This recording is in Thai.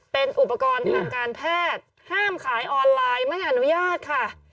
เป็นอุปกรณ์ทางการแพทย์ห้ามขายออนไลน์ไม่อนุญาตค่ะ